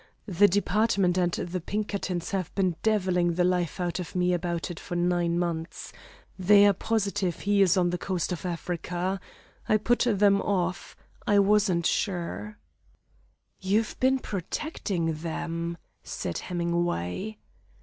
The department and the Pinkertons have been devilling the life out of me about it for nine months. They are positive he is on the coast of Africa. I put them off. I wasn't sure." "You've been protecting them," said Hemingway.